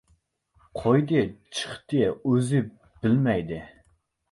Qo‘ydi-chiqdi o‘zi bo‘lmaydi.